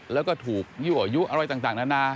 แล้วก็ถูกยั่วยุอะไรต่างนานา